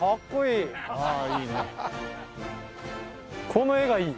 この画がいい。